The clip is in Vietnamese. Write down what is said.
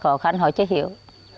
khó khăn hỏi chưa hiểu